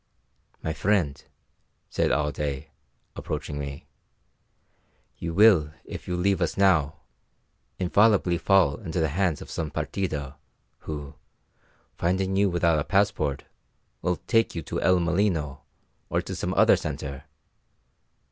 "My friend," said Alday, approaching me, "you will, if you leave us now, infallibly fall into the hands of some partida, who, finding you without a passport, will take you to El Molino, or to some other centre.